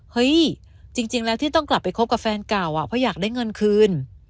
เฮ้ยจริงแล้วที่ต้องกลับไปคบกับแฟนเก่าเพราะอยากได้เงินคืน